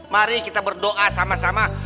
mari kita berdoa sama sama